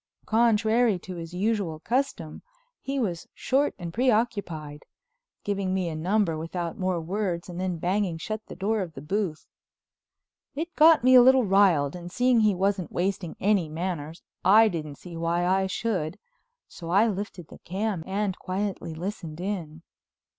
Contrary to his usual custom he was short and preoccupied, giving me a number without more words and then banging shut the door of the booth. It got me a little riled and seeing he wasn't wasting any manners I didn't see why I should, so I lifted the cam and quietly listened in.